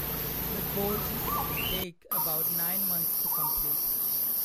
The courses take about nine months to complete.